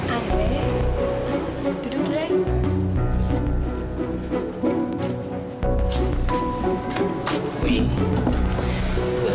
aku bilang sama dia